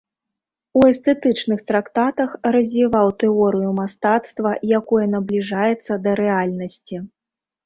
У эстэтычных трактатах развіваў тэорыю мастацтва, якое набліжаецца да рэальнасці.